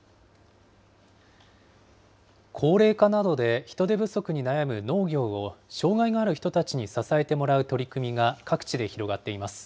高齢化などで人手不足に悩む農業を障害がある人たちに支えてもらう取り組みが各地で広がっています。